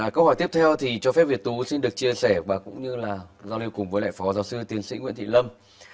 câu hỏi tiếp theo thì cho phép việt tú xin được chia sẻ và cũng như là giao lưu cùng với lại phó giáo sư tiến sĩ nguyễn thị lâm